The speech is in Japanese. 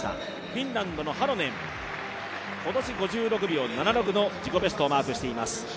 フィンランドのハロネン今年５６秒７６の自己ベストをマークしています。